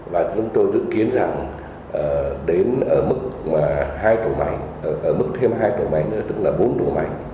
và chúng tôi dự kiến rằng đến ở mức hai tổ máy ở mức thêm hai tổ máy nữa tức là bốn tổ máy